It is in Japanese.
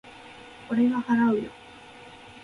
俺が払うよ。